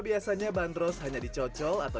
biasanya bandros hanya dicocol atau